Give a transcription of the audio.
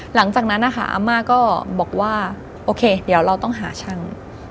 หลังจากนั้นนะคะอาม่าก็บอกว่าโอเคเดี๋ยวเราต้องหาช่าง